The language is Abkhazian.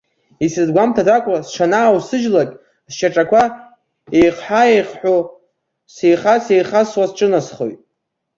Исызгәамҭаӡакәа сҽанааусыжьлак, сшьаҿақәа еихҳәа-еихҳәо, сеихас-еихасуа сҿынасхоит.